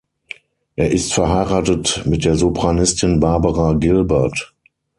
Er ist verheiratet mit der Sopranistin Barbara Gilbert.